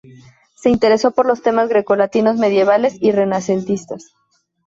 Se interesó por los temas grecolatinos, medievales y renacentistas.